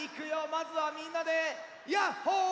まずはみんなでヤッホー！